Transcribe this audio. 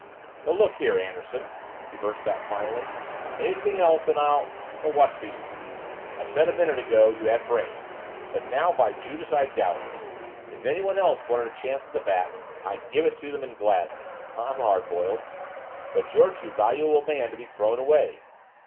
"But look here, Anderson," he burst out finally. "Anything else and I'll but what's the use? I said a minute ago, you had brains but now, by Judas, I doubt it! If anyone else wanted a chance at the Bat, I'd give it to them and gladly I'm hard boiled. But you're too valuable a man to be thrown away!"